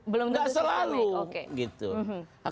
belum tentu sistemik gak selalu